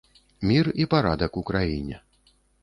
Мір і парадак у краіне.